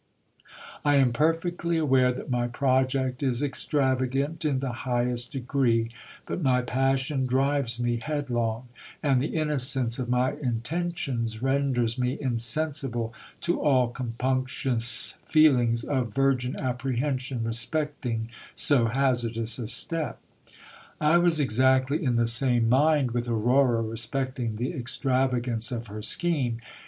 I am perfectly aware that my project is ex travagant in the highest degree, but my passion drives me headlong ; and the innocence of my intentions renders me insensible to all compunctious feelings of virgin apprehension respecting so hazardous a step. I was exactly in the same mind with Aurora respecting the extravagance of her scheme.